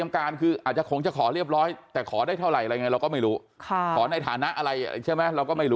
มันคิดไปได้หมดนั่นแหละ